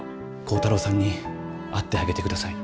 耕太郎さんに会ってあげて下さい。